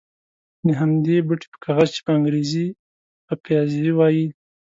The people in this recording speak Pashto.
د همدې بوټي په کاغذ چې په انګرېزي پپیازي وایي.